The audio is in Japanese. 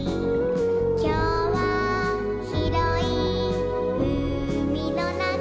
「きょうはひろいうみのなか」